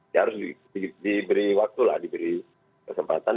ya harus diberi waktu lah diberi kesempatan